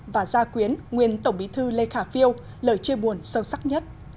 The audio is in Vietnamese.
và gia quyến nguyên tổng bí thư lê khả phiêu lời chê buồn sâu sắc nhất